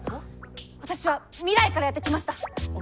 私は未来からやって来ました。